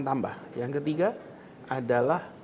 tambah yang ketiga adalah